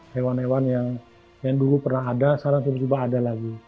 hewan hewan yang dulu pernah ada sekarang tiba tiba ada lagi